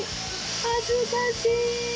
恥ずかしい！